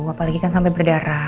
apalagi kan sampai berdarah